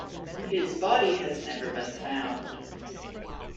His body has never been found.